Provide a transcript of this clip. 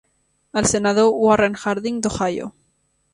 El senador Warren Harding d'Ohio.